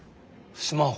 スマホ。